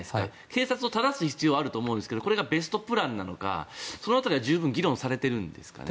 警察を正す必要はあると思うんですけどこれがベストプランなのかその辺りは十分、議論されてるんですかね。